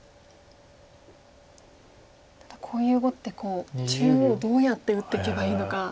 ただこういう碁って中央どうやって打っていけばいいのか。